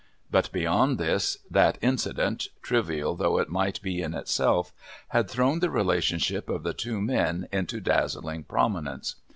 But beyond this, that incident, trivial though it might be in itself, had thrown the relationship of the two men into dazzling prominence.